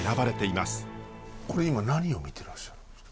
これ今何を見てらっしゃるんですか？